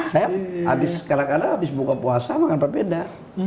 saya kadang kadang abis buka puasa makan papeda